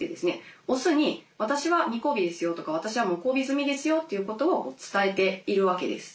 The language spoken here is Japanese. オスに「私は未交尾ですよ」とか「私はもう交尾済みですよ」ということを伝えているわけです。